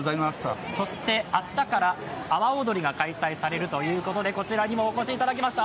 そして明日から阿波踊りが開催されるということでこちらにもお越しいただきました、